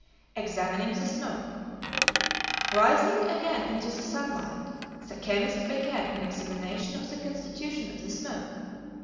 Examining the Smoke. Rising again into the sunlight, the chemists began an examination of the constitution of the smoke.